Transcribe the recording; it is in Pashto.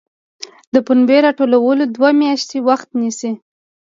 د پنبې راټولول دوه میاشتې وخت نیسي.